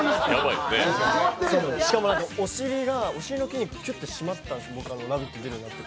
しかも、お尻がちょっと締まったんです、「ラヴィット！」に出るようになって。